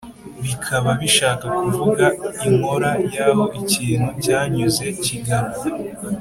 bikaba bishaka kuvuga, inkora y’aho ikintu cyanyuze kigana